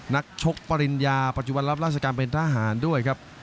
นักชกปริญญาปัจจุบันรับราชการเป็นทหารด้วยครับ